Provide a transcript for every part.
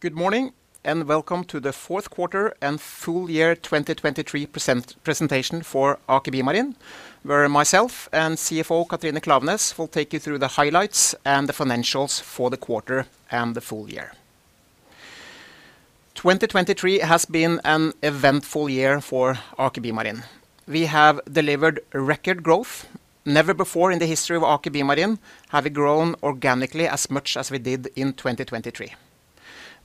Good morning, and welcome to the Fourth Quarter and Full Year 2023 Presentation for Aker BioMarine, where myself and CFO Katrine Klaveness will take you through the highlights and the financials for the quarter and the full year. 2023 has been an eventful year for Aker BioMarine. We have delivered record growth. Never before in the history of Aker BioMarine have we grown organically as much as we did in 2023.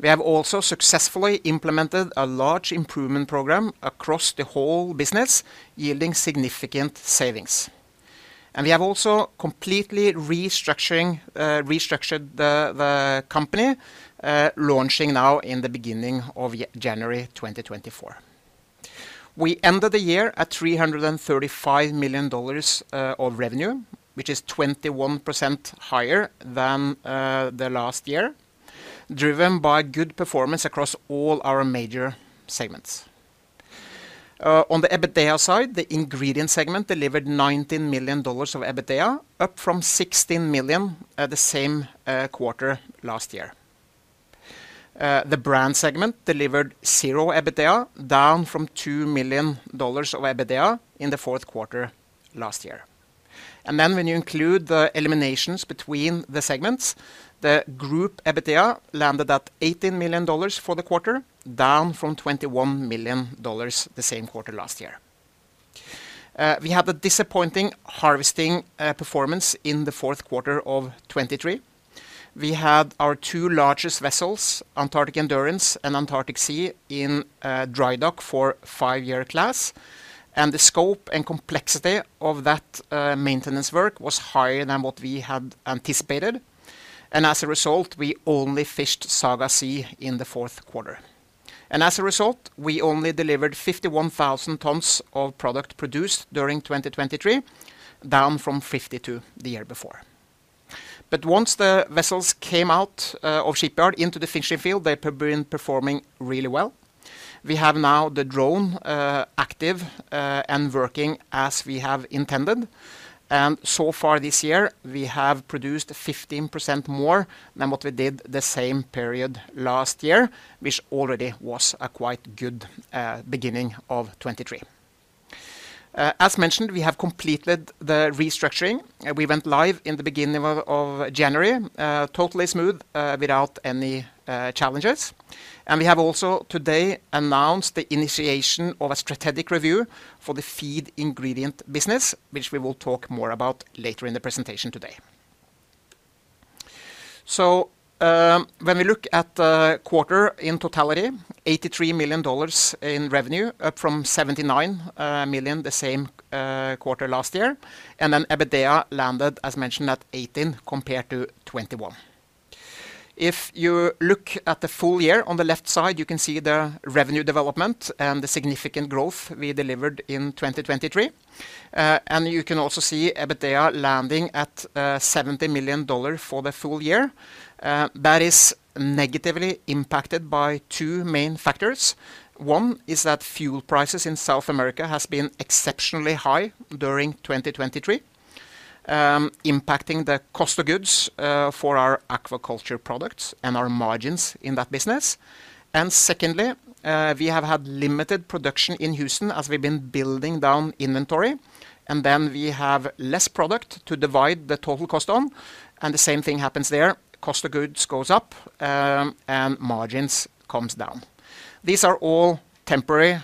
We have also successfully implemented a large improvement program across the whole business, yielding significant savings. And we have also completely restructured the company, launching now in the beginning of January 2024. We ended the year at $335 million of revenue, which is 21% higher than the last year, driven by good performance across all our major segments. On the EBITDA side, the ingredient segment delivered $19 million of EBITDA, up from $16 million at the same quarter last year. The brand segment delivered $0 EBITDA, down from $2 million of EBITDA in the fourth quarter last year. And then when you include the eliminations between the segments, the group EBITDA landed at $18 million for the quarter, down from $21 million the same quarter last year. We had a disappointing harvesting performance in the fourth quarter of 2023. We had our two largest vessels, Antarctic Endurance and Antarctic Sea, in dry dock for five-year class, and the scope and complexity of that maintenance work was higher than what we had anticipated. And as a result, we only fished Saga Sea in the fourth quarter. As a result, we only delivered 51,000 tons of product produced during 2023, down from 52 the year before. But once the vessels came out of shipyard into the fishing field, they've been performing really well. We have now the drone active, and working as we have intended. And so far this year, we have produced 15% more than what we did the same period last year, which already was a quite good beginning of 2023. As mentioned, we have completed the restructuring. We went live in the beginning of January, totally smooth, without any challenges. And we have also today announced the initiation of a strategic review for the feed ingredient business, which we will talk more about later in the presentation today. So, when we look at the quarter in totality, $83 million in revenue, up from $79 million, the same quarter last year. And then EBITDA landed, as mentioned, at $18 million compared to $21 million. If you look at the full year, on the left side, you can see the revenue development and the significant growth we delivered in 2023. And you can also see EBITDA landing at $70 million for the full year. That is negatively impacted by two main factors. One is that fuel prices in South America has been exceptionally high during 2023, impacting the cost of goods for our aquaculture products and our margins in that business. And secondly, we have had limited production in Houston as we've been building down inventory, and then we have less product to divide the total cost on, and the same thing happens there. Cost of goods goes up, and margins comes down. These are all temporary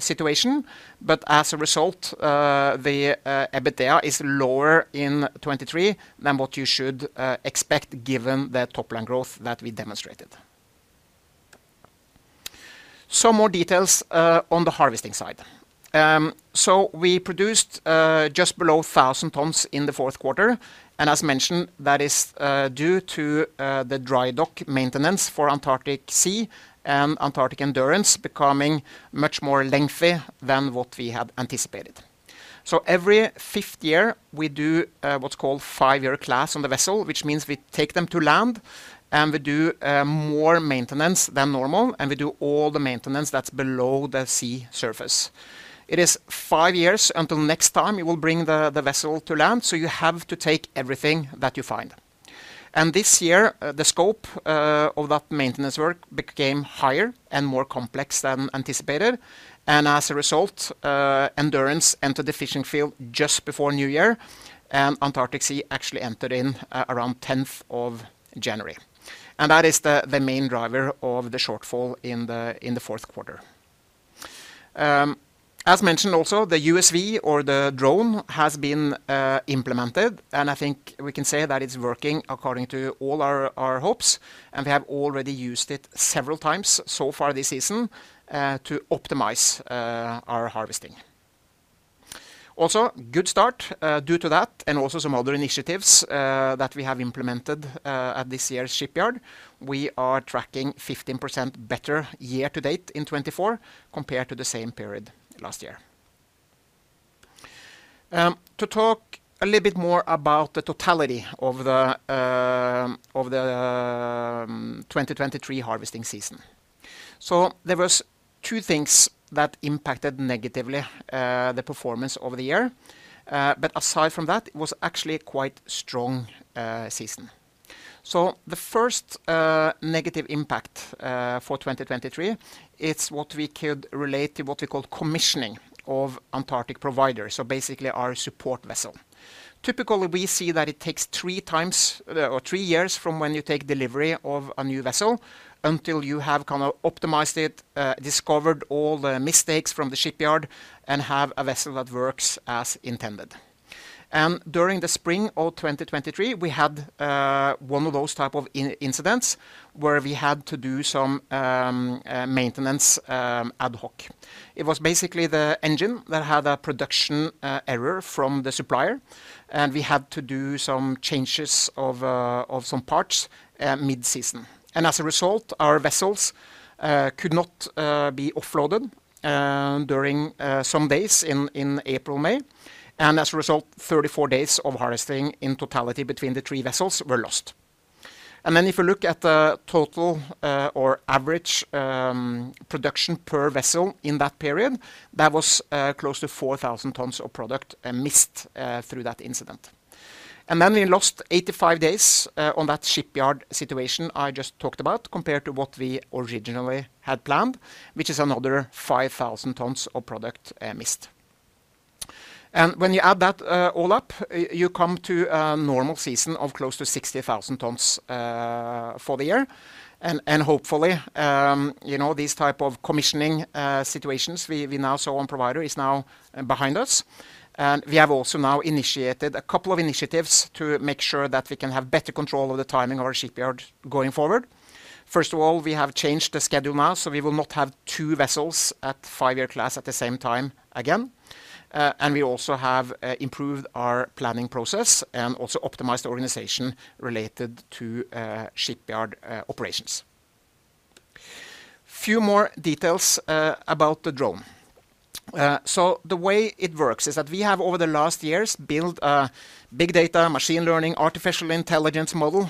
situation, but as a result, the EBITDA is lower in 2023 than what you should expect, given the top line growth that we demonstrated. Some more details on the harvesting side. So we produced just below 1,000 tons in the fourth quarter, and as mentioned, that is due to the dry dock maintenance for Antarctic Sea and Antarctic Endurance becoming much more lengthy than what we had anticipated. So every fifth year, we do what's called five-year class on the vessel, which means we take them to land, and we do more maintenance than normal, and we do all the maintenance that's below the sea surface. It is five years until next time you will bring the vessel to land, so you have to take everything that you find. And this year, the scope of that maintenance work became higher and more complex than anticipated, and as a result, Endurance entered the fishing field just before New Year, and Antarctic Sea actually entered in around tenth of January. And that is the main driver of the shortfall in the fourth quarter. As mentioned, also, the USV or the drone has been implemented, and I think we can say that it's working according to all our hopes, and we have already used it several times so far this season to optimize our harvesting. Also, good start due to that and also some other initiatives that we have implemented at this year's shipyard. We are tracking 15% better year to date in 2024 compared to the same period last year. To talk a little bit more about the totality of the 2023 harvesting season. So there was two things that impacted negatively the performance over the year. But aside from that, it was actually a quite strong season. So the first negative impact for 2023, it's what we could relate to what we call commissioning of Antarctic Provider. So basically our support vessel. Typically, we see that it takes three times or three years from when you take delivery of a new vessel until you have kinda optimized it, discovered all the mistakes from the shipyard, and have a vessel that works as intended. And during the spring of 2023, we had one of those type of incidents where we had to do some maintenance ad hoc. It was basically the engine that had a production error from the supplier, and we had to do some changes of some parts mid-season. And as a result, our vessels could not be offloaded during some days in April, May. As a result, 34 days of harvesting in totality between the three vessels were lost. Then if you look at the total, or average, production per vessel in that period, that was close to 4,000 tons of product missed through that incident. Then we lost 85 days on that shipyard situation I just talked about, compared to what we originally had planned, which is another 5,000 tons of product missed. When you add that all up, you come to a normal season of close to 60,000 tons for the year. And hopefully, you know, these type of commissioning situations we now saw on provider is now behind us. And we have also now initiated a couple of initiatives to make sure that we can have better control of the timing of our shipyard going forward. First of all, we have changed the schedule now, so we will not have two vessels at five-year class at the same time again. And we also have improved our planning process and also optimized the organization related to shipyard operations. Few more details about the drone. So the way it works is that we have, over the last years, built a big data, machine learning, artificial intelligence model,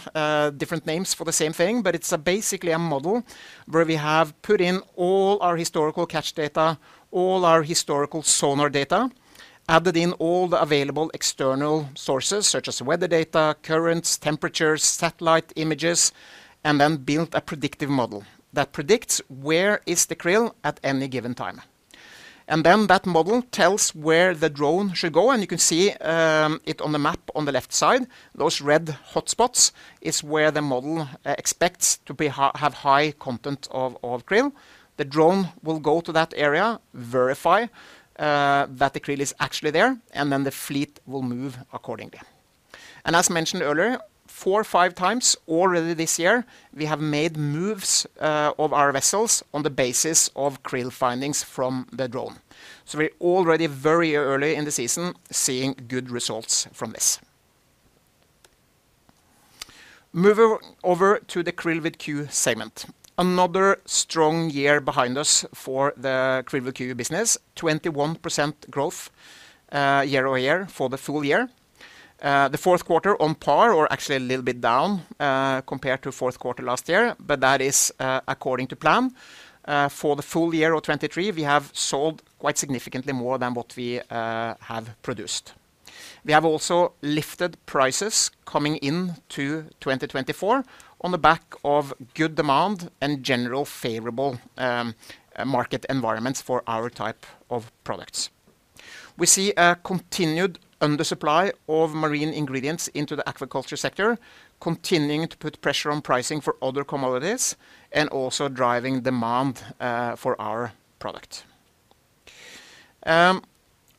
different names for the same thing. But it's basically a model where we have put in all our historical catch data, all our historical sonar data, added in all the available external sources, such as weather data, currents, temperatures, satellite images, and then built a predictive model that predicts where is the krill at any given time. And then that model tells where the drone should go, and you can see it on the map on the left side. Those red hotspots is where the model expects to have high content of krill. The drone will go to that area, verify that the krill is actually there, and then the fleet will move accordingly. And as mentioned earlier, four or five times already this year, we have made moves of our vessels on the basis of krill findings from the drone. We're already very early in the season, seeing good results from this. Moving over to the QRILL segment. Another strong year behind us for the QRILL business. 21% growth year-over-year for the full year. The fourth quarter on par or actually a little bit down compared to fourth quarter last year, but that is according to plan. For the full year of 2023, we have sold quite significantly more than what we have produced. We have also lifted prices coming in to 2024 on the back of good demand and general favorable market environments for our type of products. We see a continued undersupply of marine ingredients into the agriculture sector, continuing to put pressure on pricing for other commodities and also driving demand for our product.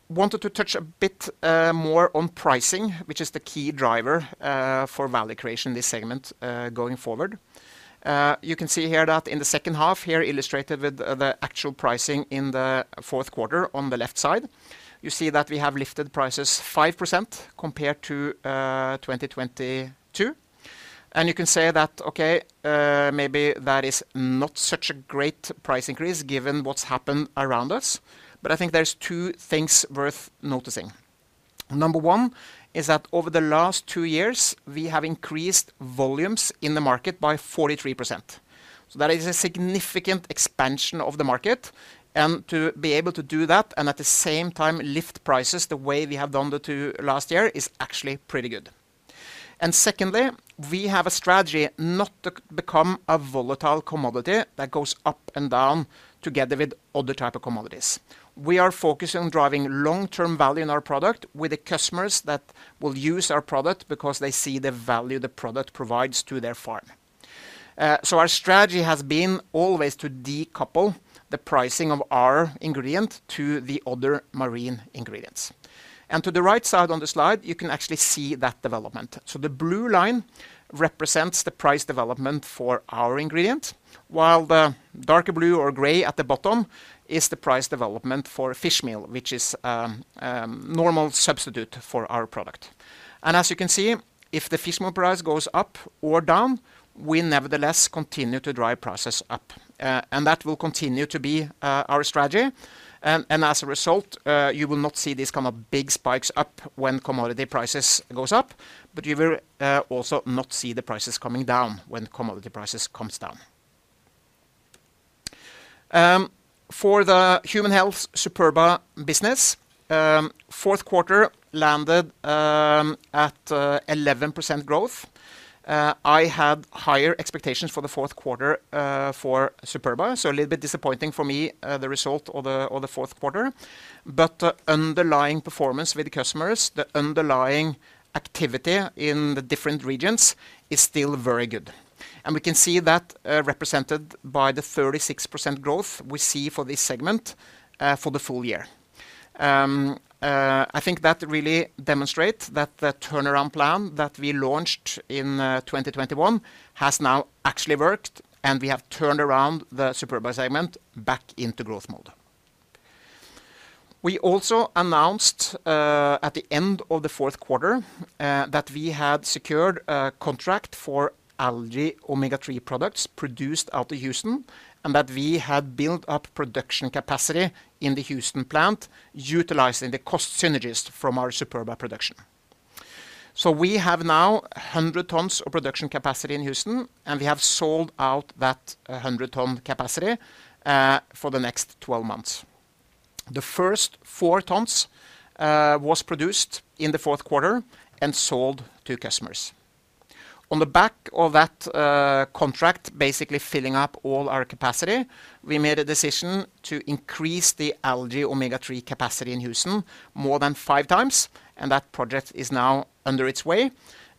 Wanted to touch a bit more on pricing, which is the key driver for value creation in this segment going forward. You can see here that in the second half here, illustrated with the actual pricing in the fourth quarter on the left side, you see that we have lifted prices 5% compared to 2022. And you can say that, okay, maybe that is not such a great price increase given what's happened around us. But I think there's two things worth noticing. Number one is that over the last two years, we have increased volumes in the market by 43%. So that is a significant expansion of the market, and to be able to do that and at the same time lift prices the way we have done the two last year, is actually pretty good. And secondly, we have a strategy not to become a volatile commodity that goes up and down together with other type of commodities. We are focusing on driving long-term value in our product with the customers that will use our product because they see the value the product provides to their farm. So our strategy has been always to decouple the pricing of our ingredient to the other marine ingredients. And to the right side on the slide, you can actually see that development. So the blue line represents the price development for our ingredient, while the darker blue or gray at the bottom is the price development for fishmeal, which is normal substitute for our product. And as you can see, if the fishmeal price goes up or down, we nevertheless continue to drive prices up. And that will continue to be our strategy. As a result, you will not see these kinda big spikes up when commodity prices goes up, but you will also not see the prices coming down when commodity prices comes down. For the human health Superba business, fourth quarter landed at 11% growth. I had higher expectations for the fourth quarter for Superba, so a little bit disappointing for me, the result of the fourth quarter. But the underlying performance with the customers, the underlying activity in the different regions, is still very good. And we can see that represented by the 36% growth we see for this segment for the full year. I think that really demonstrates that the turnaround plan that we launched in 2021 has now actually worked, and we have turned around the Superba segment back into growth mode. We also announced at the end of the fourth quarter that we had secured a contract for algae omega-3 products produced out of Houston, and that we had built up production capacity in the Houston plant, utilizing the cost synergies from our Superba production. So we have now 100 tons of production capacity in Houston, and we have sold out that 100-ton capacity for the next 12 months. The first 4 tons was produced in the fourth quarter and sold to customers. On the back of that, contract, basically filling up all our capacity, we made a decision to increase the algae omega-3 capacity in Houston more than 5x, and that project is now underway.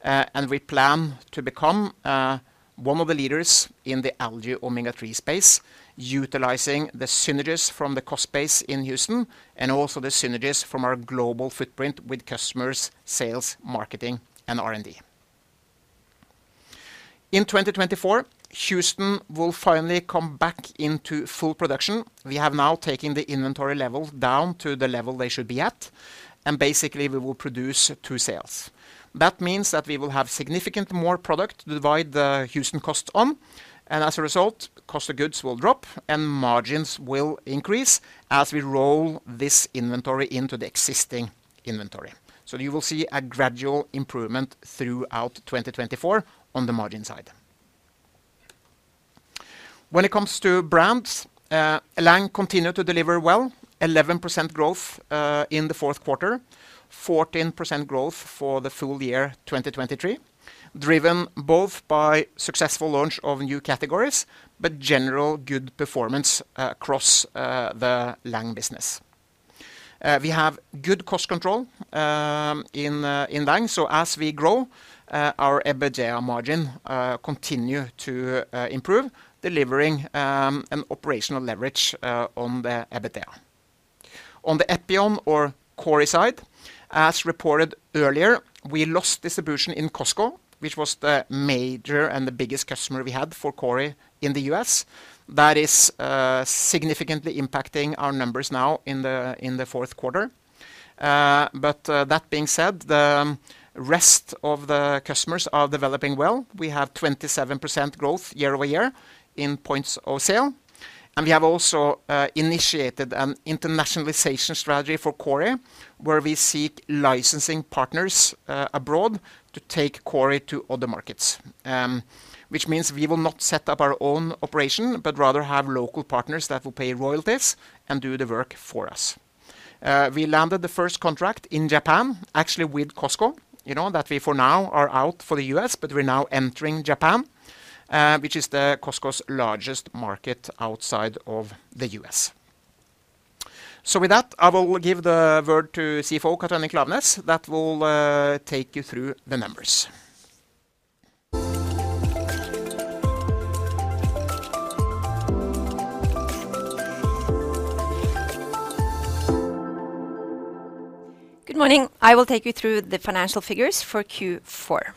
And we plan to become, one of the leaders in the algae omega-3 space, utilizing the synergies from the cost base in Houston and also the synergies from our global footprint with customers, sales, marketing, and R&D. In 2024, Houston will finally come back into full production. We have now taken the inventory levels down to the level they should be at, and basically, we will produce two sales. That means that we will have significant more product to divide the Houston cost on, and as a result, cost of goods will drop, and margins will increase as we roll this inventory into the existing inventory. So you will see a gradual improvement throughout 2024 on the margin side. When it comes to brands, Lang continued to deliver well, 11% growth in the fourth quarter, 14% growth for the full year, 2023, driven both by successful launch of new categories, but general good performance across the Lang business. We have good cost control in Lang. So as we grow, our EBITDA margin continue to improve, delivering an operational leverage on the EBITDA. On the Epion or Kori side, as reported earlier, we lost distribution in Costco, which was the major and the biggest customer we had for Kori in the U.S. That is significantly impacting our numbers now in the fourth quarter. But that being said, the rest of the customers are developing well. We have 27% growth year-over-year in points of sale, and we have also initiated an internationalization strategy for Kori, where we seek licensing partners abroad to take Kori to other markets. Which means we will not set up our own operation, but rather have local partners that will pay royalties and do the work for us. We landed the first contract in Japan, actually with Costco. You know, that we, for now, are out for the US, but we're now entering Japan, which is the Costco's largest market outside of the US. So with that, I will give the word to CFO, Katrine Klaveness, that will take you through the numbers. Good morning. I will take you through the financial figures for Q4.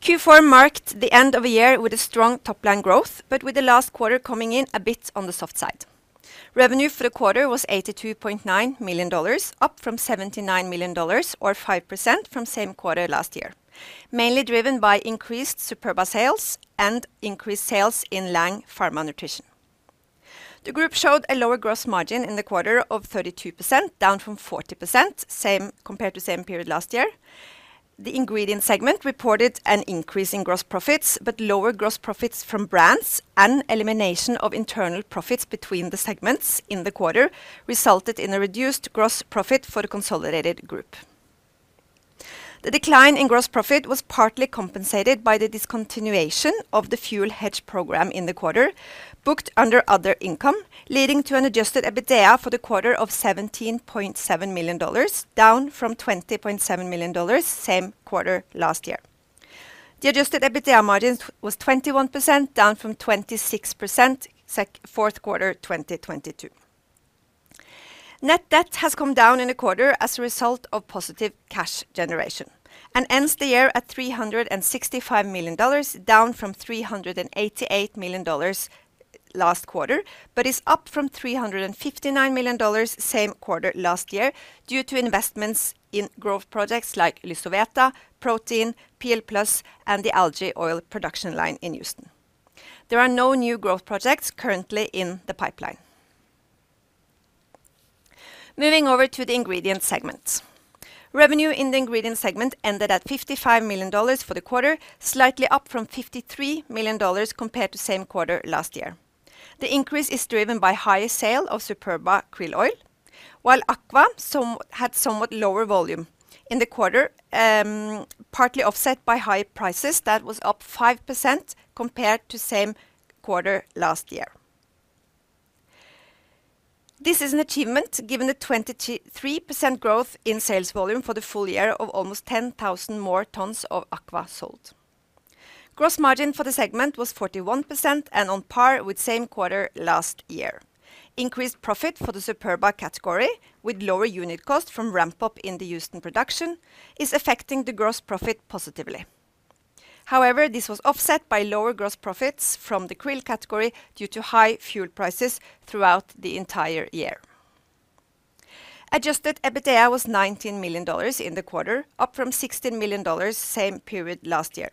Q4 marked the end of a year with a strong top-line growth, but with the last quarter coming in a bit on the soft side. Revenue for the quarter was $82.9 million, up from $79 million, or 5% from same quarter last year, mainly driven by increased Superba sales and increased sales in Lang Pharma Nutrition. The group showed a lower gross margin in the quarter of 32%, down from 40%, same compared to same period last year. The ingredient segment reported an increase in gross profits, but lower gross profits from brands and elimination of internal profits between the segments in the quarter resulted in a reduced gross profit for the consolidated group. The decline in gross profit was partly compensated by the discontinuation of the fuel hedge program in the quarter, booked under other income, leading to an adjusted EBITDA for the quarter of $17.7 million, down from $20.7 million, same quarter last year. The adjusted EBITDA margin was 21%, down from 26%, fourth quarter, 2022. Net debt has come down in the quarter as a result of positive cash generation, and ends the year at $365 million, down from $388 million last quarter, but is up from $359 million same quarter last year, due to investments in growth projects like Lysoveta, Protein, PL+, and the algae oil production line in Houston. There are no new growth projects currently in the pipeline. Moving over to the ingredient segment. Revenue in the ingredient segment ended at $55 million for the quarter, slightly up from $53 million compared to same quarter last year. The increase is driven by higher sale of Superba krill oil, while QRILL Aqua had somewhat lower volume in the quarter, partly offset by high prices. That was up 5% compared to same quarter last year. This is an achievement, given the 23% growth in sales volume for the full year of almost 10,000 more tons of QRILL Aqua sold. Gross margin for the segment was 41% and on par with same quarter last year. Increased profit for the Superba category, with lower unit cost from ramp up in the Houston production, is affecting the gross profit positively. However, this was offset by lower gross profits from the krill category due to high fuel prices throughout the entire year. Adjusted EBITDA was $19 million in the quarter, up from $16 million, same period last year.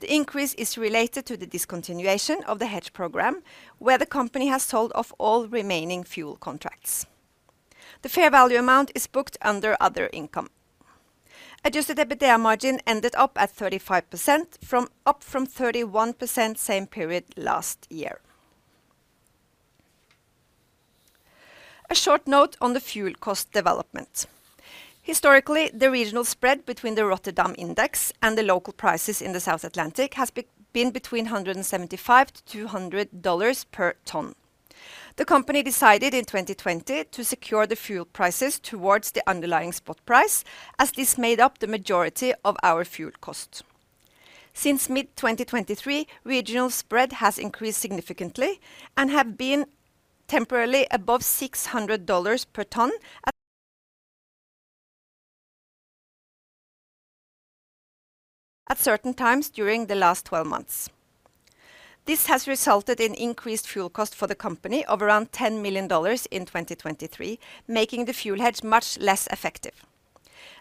The increase is related to the discontinuation of the hedge program, where the company has sold off all remaining fuel contracts. The fair value amount is booked under other income. Adjusted EBITDA margin ended up at 35% up from 31% same period last year. A short note on the fuel cost development. Historically, the regional spread between the Rotterdam Index and the local prices in the South Atlantic has been between $175-$200 per ton. The company decided in 2020 to secure the fuel prices towards the underlying spot price, as this made up the majority of our fuel costs. Since mid-2023, regional spread has increased significantly and have been temporarily above $600 per ton at-- At certain times during the last 12 months. This has resulted in increased fuel cost for the company of around $10 million in 2023, making the fuel hedge much less effective.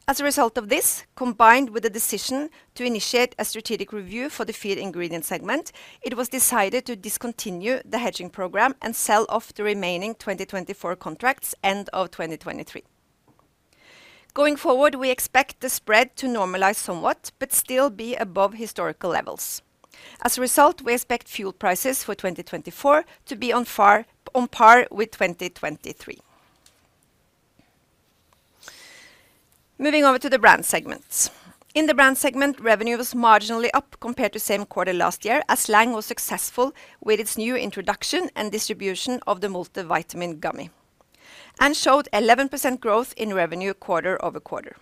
As a result of this, combined with the decision to initiate a strategic review for the feed ingredient segment, it was decided to discontinue the hedging program and sell off the remaining 2024 contracts end of 2023. Going forward, we expect the spread to normalize somewhat, but still be above historical levels. As a result, we expect fuel prices for 2024 to be on par with 2023. Moving over to the brand segment. In the brand segment, revenue was marginally up compared to same quarter last year, as Lang was successful with its new introduction and distribution of the multivitamin gummy, and showed 11% growth in revenue quarter-over-quarter.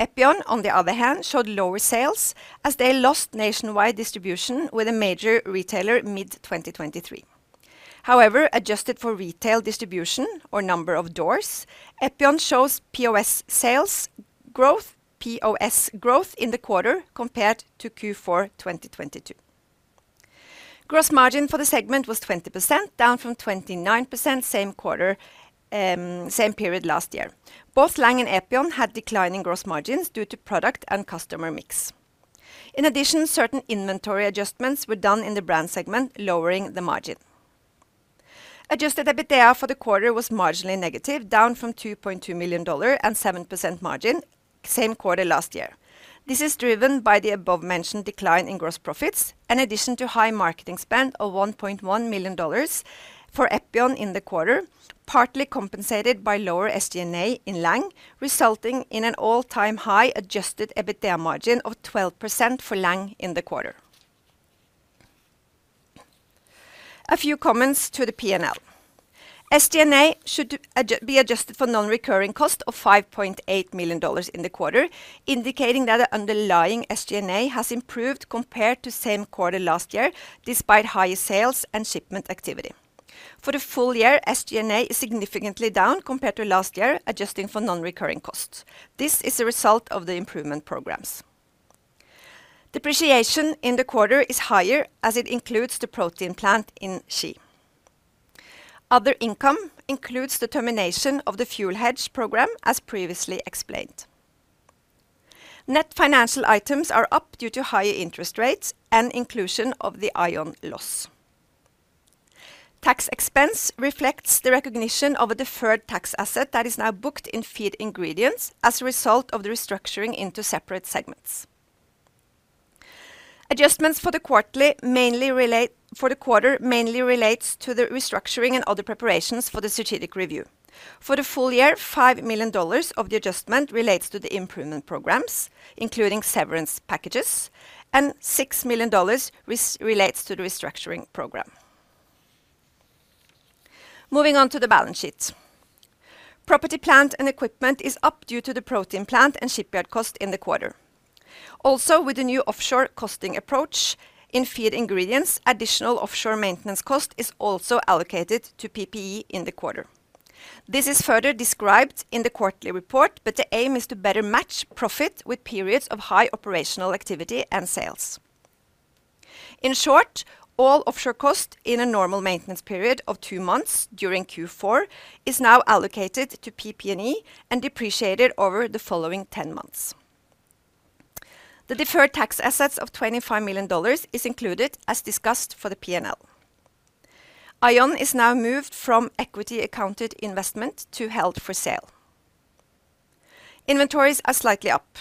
Epion, on the other hand, showed lower sales as they lost nationwide distribution with a major retailer mid-2023. However, adjusted for retail distribution or number of doors, Epion shows POS sales growth, POS growth in the quarter compared to Q4 2022. Gross margin for the segment was 20%, down from 29% same quarter, same period last year. Both Lang and Epion had declining gross margins due to product and customer mix. In addition, certain inventory adjustments were done in the brand segment, lowering the margin. Adjusted EBITDA for the quarter was marginally negative, down from $2.2 million and 7% margin, same quarter last year. This is driven by the above-mentioned decline in gross profits, in addition to high marketing spend of $1.1 million for Epion in the quarter, partly compensated by lower SG&A in Lang, resulting in an all-time high adjusted EBITDA margin of 12% for Lang in the quarter. A few comments to the P&L. SG&A should be adjusted for non-recurring cost of $5.8 million in the quarter, indicating that the underlying SG&A has improved compared to same quarter last year, despite higher sales and shipment activity. For the full year, SG&A is significantly down compared to last year, adjusting for non-recurring costs. This is a result of the improvement programs. Depreciation in the quarter is higher as it includes the protein plant in Ski. Other income includes the termination of the fuel hedge program, as previously explained. Net financial items are up due to higher interest rates and inclusion of the AION loss. Tax expense reflects the recognition of a deferred tax asset that is now booked in feed ingredients as a result of the restructuring into separate segments. Adjustments for the quarter mainly relates to the restructuring and other preparations for the strategic review. For the full year, $5 million of the adjustment relates to the improvement programs, including severance packages, and $6 million relates to the restructuring program. Moving on to the balance sheet. Property, plant, and equipment is up due to the protein plant and shipyard cost in the quarter. Also, with the new offshore costing approach in feed ingredients, additional offshore maintenance cost is also allocated to PPE in the quarter. This is further described in the quarterly report, but the aim is to better match profit with periods of high operational activity and sales. In short, all offshore costs in a normal maintenance period of two months during Q4 is now allocated to PP&E and depreciated over the following 10 months. The deferred tax assets of $25 million is included, as discussed for the P&L. AION is now moved from equity accounted investment to held for sale. Inventories are slightly up.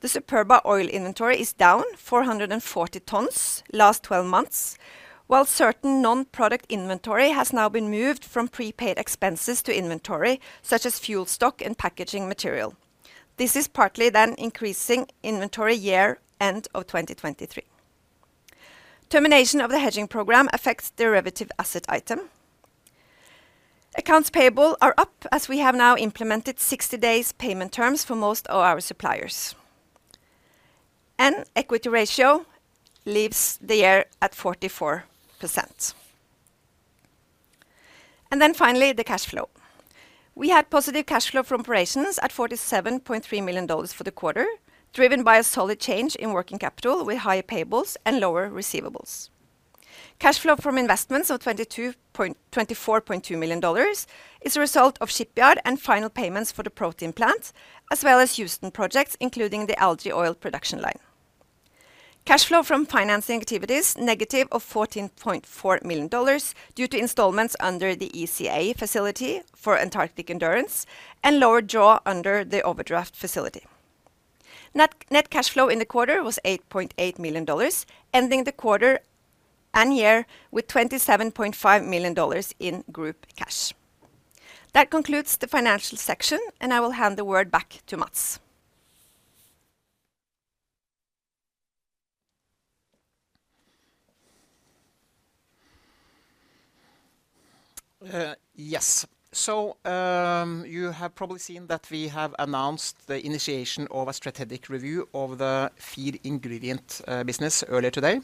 The Superba oil inventory is down 440 tons last 12 months, while certain non-product inventory has now been moved from prepaid expenses to inventory, such as fuel stock and packaging material. This is partly then increasing inventory year-end of 2023. Termination of the hedging program affects derivative asset item. Accounts payable are up, as we have now implemented 60 days payment terms for most of our suppliers. Equity ratio leaves the year at 44%. Finally, the cash flow. We had positive cash flow from operations at $47.3 million for the quarter, driven by a solid change in working capital, with higher payables and lower receivables. Cash flow from investments of $24.2 million is a result of shipyard and final payments for the protein plant, as well as Houston projects, including the algae oil production line. Cash flow from financing activities, negative of $14.4 million, due to installments under the ECA facility for Antarctic Endurance and lower draw under the overdraft facility. Net, net cash flow in the quarter was $8.8 million, ending the quarter and year with $27.5 million in group cash. That concludes the financial section, and I will hand the word back to Matts. Yes. So, you have probably seen that we have announced the initiation of a strategic review of the feed ingredient business earlier today.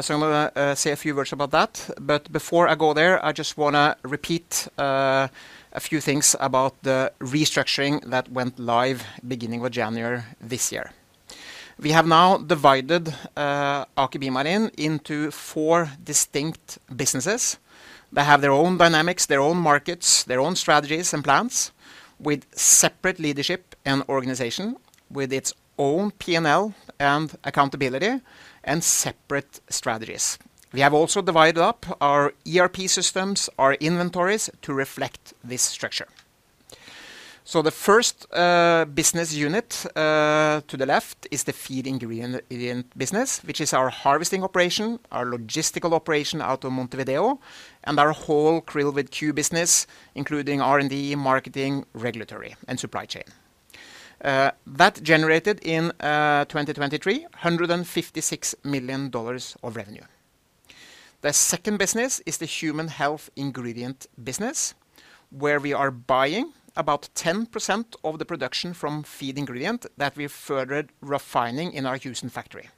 So I'm gonna say a few words about that. But before I go there, I just wanna repeat a few things about the restructuring that went live beginning with January this year. We have now divided Aker BioMarine into four distinct businesses. They have their own dynamics, their own markets, their own strategies and plans, with separate leadership and organization, with its own P&L and accountability, and separate strategies. We have also divided up our ERP systems, our inventories, to reflect this structure. So the first business unit to the left is the feed ingredient business, which is our harvesting operation, our logistical operation out of Montevideo, and our whole QRILL business, including R&D, marketing, regulatory, and supply chain. That generated in 2023, $156 million of revenue. The second business is the human health ingredient business, where we are buying about 10% of the production from feed ingredient that we're further refining in our Houston factory.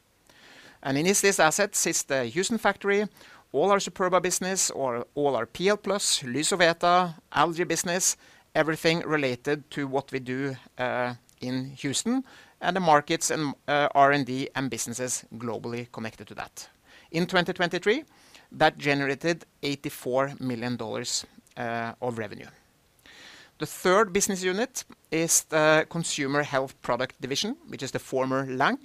And in this asset sits the Houston factory, all our Superba business, or all our PL+, Lysoveta, algae business, everything related to what we do in Houston, and the markets and R&D and businesses globally connected to that. In 2023, that generated $84 million of revenue. The third business unit is the consumer health product division, which is the former Lang.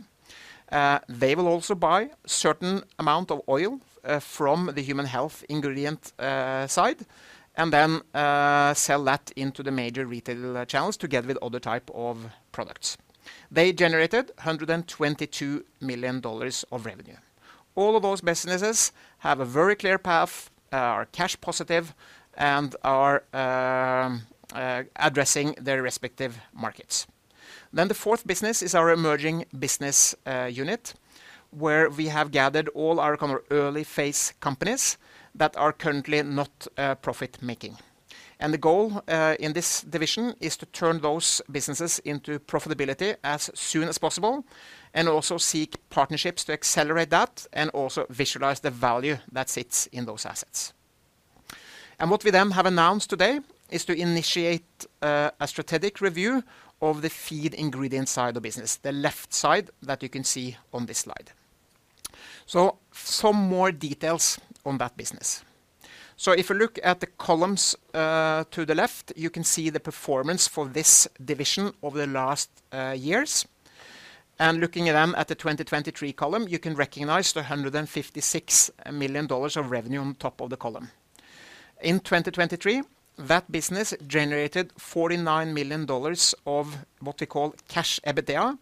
They will also buy certain amount of oil from the human health ingredient side, and then sell that into the major retail channels together with other type of products. They generated $122 million of revenue. All of those businesses have a very clear path, are cash positive, and are addressing their respective markets. Then the fourth business is our emerging business unit, where we have gathered all our kind of early phase companies that are currently not profit-making. And the goal in this division is to turn those businesses into profitability as soon as possible, and also seek partnerships to accelerate that, and also visualize the value that sits in those assets. And what we then have announced today is to initiate a strategic review of the feed ingredient side of business, the left side that you can see on this slide. So some more details on that business. So if you look at the columns to the left, you can see the performance for this division over the last years. And looking at them at the 2023 column, you can recognize the $156 million of revenue on top of the column. In 2023, that business generated $49 million of what we call cash EBITDA.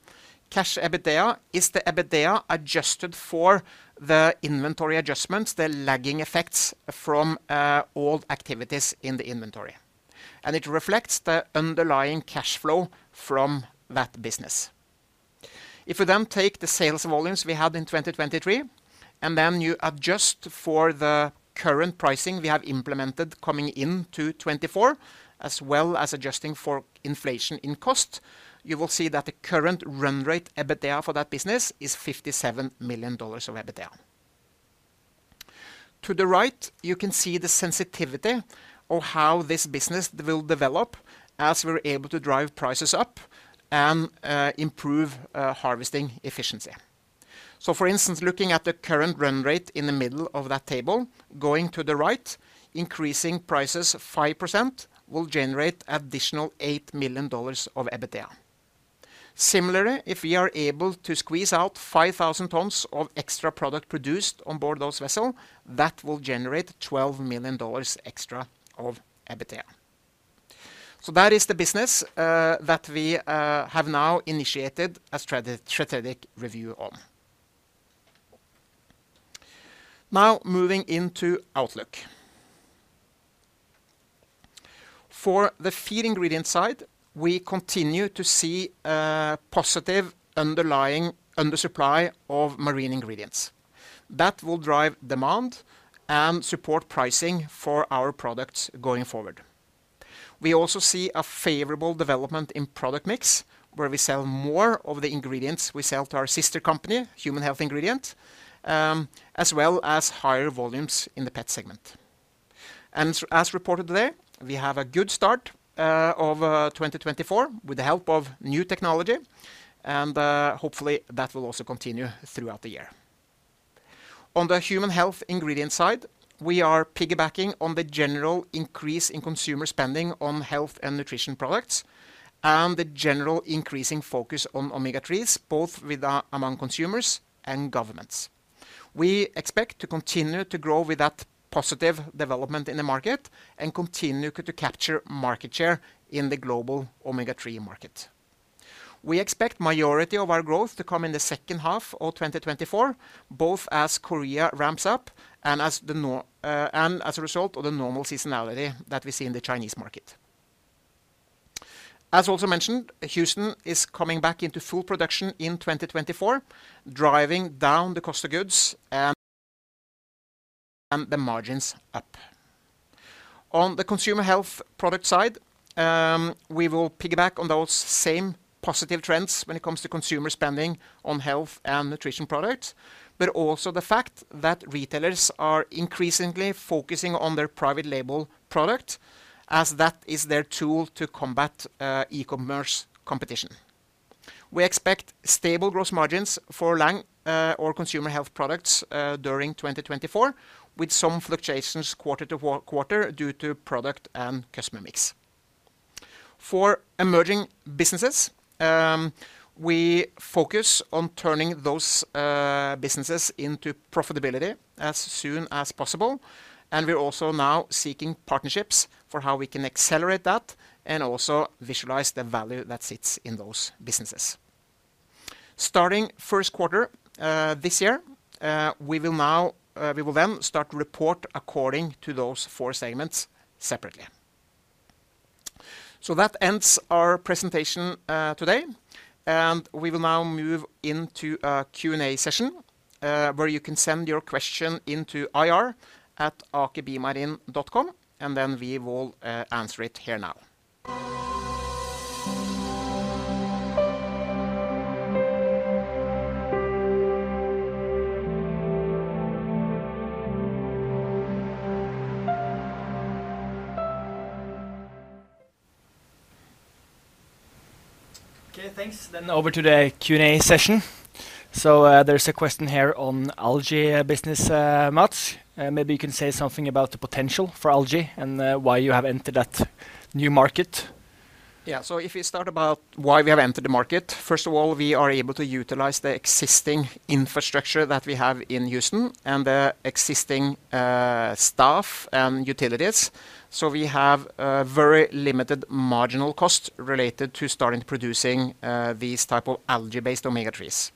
Cash EBITDA is the EBITDA adjusted for the inventory adjustments, the lagging effects from all activities in the inventory. And it reflects the underlying cash flow from that business. If you then take the sales volumes we had in 2023, and then you adjust for the current pricing we have implemented coming into 2024, as well as adjusting for inflation in cost, you will see that the current run rate EBITDA for that business is $57 million of EBITDA. To the right, you can see the sensitivity of how this business will develop as we're able to drive prices up and improve harvesting efficiency. So for instance, looking at the current run rate in the middle of that table, going to the right, increasing prices of 5% will generate additional $8 million of EBITDA. Similarly, if we are able to squeeze out 5,000 tons of extra product produced on board those vessels, that will generate $12 million extra of EBITDA. So that is the business that we have now initiated a strategic review on. Now, moving into outlook. For the feed ingredient side, we continue to see positive underlying undersupply of marine ingredients. That will drive demand and support pricing for our products going forward. We also see a favorable development in product mix, where we sell more of the ingredients we sell to our sister company, Human Health Ingredient, as well as higher volumes in the pet segment. And as reported today, we have a good start of 2024, with the help of new technology, and hopefully that will also continue throughout the year. On the Human Health Ingredient side, we are piggybacking on the general increase in consumer spending on health and nutrition products, and the general increasing focus on omega-3s, both with among consumers and governments. We expect to continue to grow with that positive development in the market and continue to capture market share in the global omega-3 market. We expect majority of our growth to come in the second half of 2024, both as Korea ramps up and as a result of the normal seasonality that we see in the Chinese market. As also mentioned, Houston is coming back into full production in 2024, driving down the cost of goods and the margins up. On the consumer health product side, we will piggyback on those same positive trends when it comes to consumer spending on health and nutrition products, but also the fact that retailers are increasingly focusing on their private label product, as that is their tool to combat e-commerce competition. We expect stable gross margins for Lang, or consumer health products, during 2024, with some fluctuations quarter to quarter due to product and customer mix. For emerging businesses, we focus on turning those businesses into profitability as soon as possible, and we're also now seeking partnerships for how we can accelerate that and also visualize the value that sits in those businesses. Starting first quarter, this year, we will now, we will then start to report according to those four segments separately. So that ends our presentation, today, and we will now move into a Q&A session, where you can send your question into ir@akerbiomarine.com, and then we will answer it here now. Okay, thanks. Then over to the Q&A session. So, there's a question here on algae business, Matts. Maybe you can say something about the potential for algae and why you have entered that new market. Yeah. So if you start about why we have entered the market, first of all, we are able to utilize the existing infrastructure that we have in Houston and the existing staff and utilities. So we have a very limited marginal cost related to starting producing these type of algae-based omega-3s.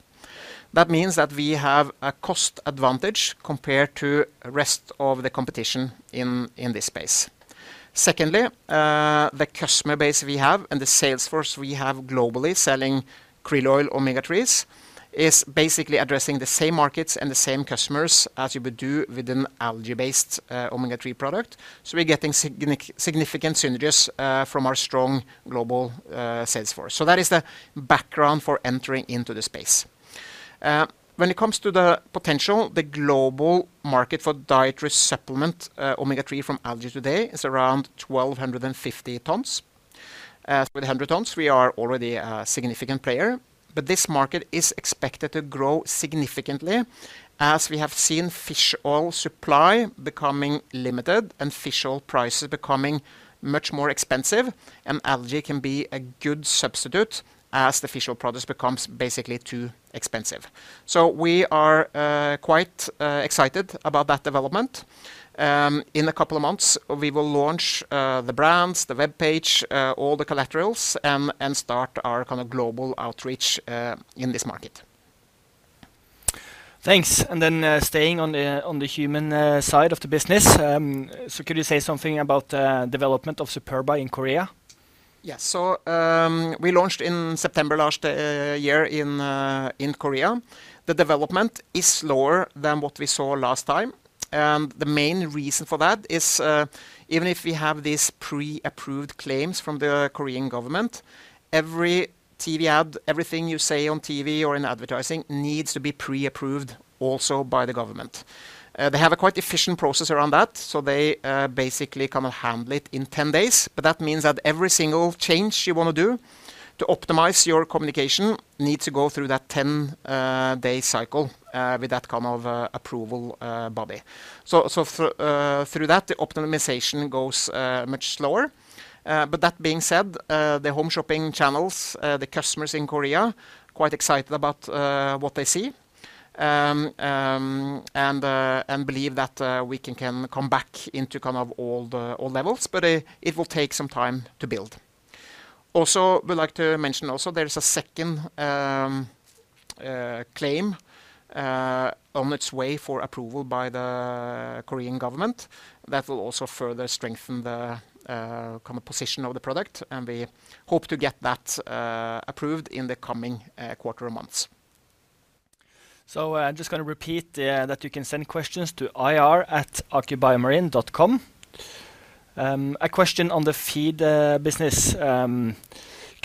That means that we have a cost advantage compared to rest of the competition in this space. Secondly, the customer base we have and the sales force we have globally selling krill oil omega-3s is basically addressing the same markets and the same customers as you would do with an algae-based omega-3 product. So we're getting significant synergies from our strong global sales force. So that is the background for entering into the space. When it comes to the potential, the global market for dietary supplement omega-3 from algae today is around 1,250 tons. With 100 tons, we are already a significant player, but this market is expected to grow significantly as we have seen fish oil supply becoming limited and fish oil prices becoming much more expensive, and algae can be a good substitute as the fish oil product becomes basically too expensive. So we are quite excited about that development. In a couple of months, we will launch the brands, the webpage, all the collaterals, and start our kind of global outreach in this market. Thanks. And then, staying on the human side of the business, so could you say something about development of Superba in Korea? Yes. So, we launched in September last year in Korea. The development is slower than what we saw last time, and the main reason for that is, even if we have these pre-approved claims from the Korean government, every TV ad, everything you say on TV or in advertising, needs to be pre-approved also by the government. They have a quite efficient process around that, so they basically kind of handle it in 10 days. But that means that every single change you want to do to optimize your communication, need to go through that 10-day cycle, with that kind of approval body. So through that, the optimization goes much slower. But that being said, the home shopping channels, the customers in Korea, quite excited about what they see. and believe that we can come back into kind of all levels, but it will take some time to build. Also, we'd like to mention also there is a second claim on its way for approval by the Korean government. That will also further strengthen the kind of position of the product, and we hope to get that approved in the coming quarter months. So I'm just gonna repeat that you can send questions to ir@akerbiomarine.com. A question on the feed business: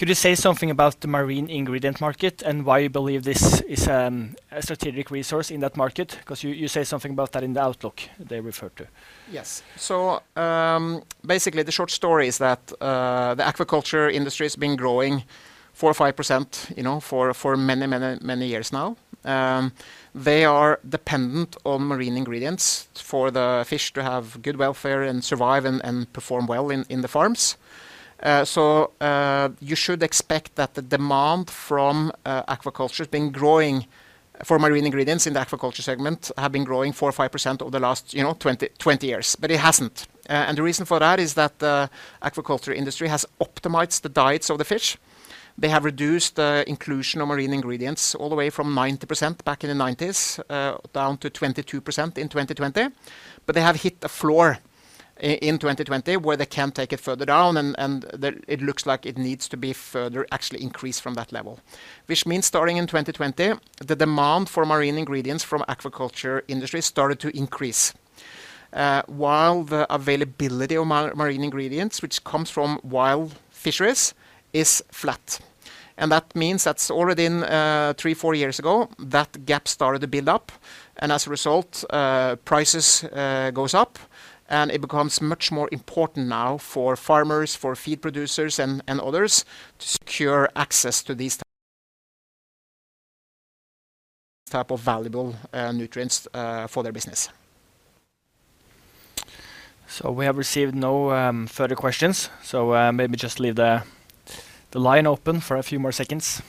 could you say something about the marine ingredient market and why you believe this is a strategic resource in that market? 'Cause you, you say something about that in the outlook they referred to. Yes. Basically, the short story is that the aquaculture industry has been growing 4%-5%, you know, for many, many, many years now. They are dependent on marine ingredients for the fish to have good welfare and survive and perform well in the farms. So you should expect that the demand from aquaculture has been growing for marine ingredients in the aquaculture segment have been growing 4%-5% over the last, you know, 20-20 years, but it hasn't. And the reason for that is that the aquaculture industry has optimized the diets of the fish. They have reduced the inclusion of marine ingredients all the way from 90% back in the 1990s down to 22% in 2020. But they have hit a floor in 2020, where they can't take it further down, and it looks like it needs to be further actually increased from that level. Which means starting in 2020, the demand for marine ingredients from aquaculture industry started to increase, while the availability of marine ingredients, which comes from wild fisheries, is flat. And that means that already in three-four years ago, that gap started to build up, and as a result, prices goes up and it becomes much more important now for farmers, for feed producers and others to secure access to these type of valuable nutrients for their business. So we have received no further questions, so maybe just leave the line open for a few more seconds.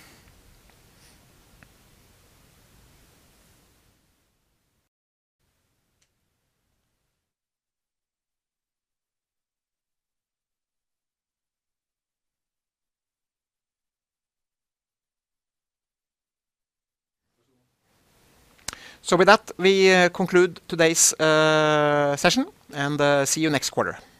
With that, we conclude today's session, and see you next quarter. Bye.